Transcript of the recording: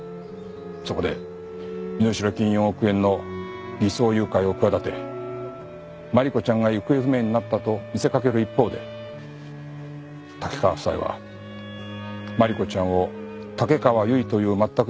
そこで身代金４億円の偽装誘拐を企て真梨子ちゃんが行方不明になったと見せかける一方で竹川夫妻は真梨子ちゃんを竹川由衣という全く別の子として養子にした。